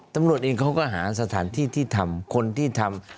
ตำรวจเองเขาก็หาสถานที่ที่ทำคนที่ทำ